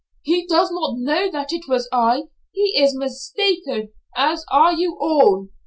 "He does not know that it was I. He is mistaken as are you all."